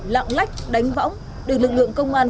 lạng lách đánh võng được lực lượng công an